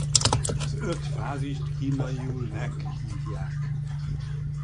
Az Öt fázist kínaiul nek hívják.